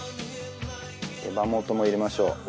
手羽元も入れましょう。